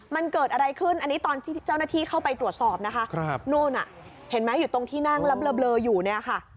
มันเกิดอะไรขึ้นอันนี้ตอนที่เจ้าหน้าที่เข้าไปตรวจสอบนะคะนู่นน่ะเห็นไหมอยู่ตรงที่นั่งแล้วเบลออยู่เนี่ยค่ะ